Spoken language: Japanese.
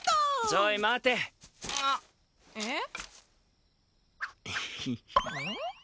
ちょい待てんあっえっ？